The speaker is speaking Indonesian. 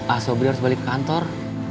asobri harus balik ke kantor